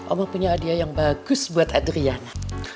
oma punya adiah yang bagus buat adriana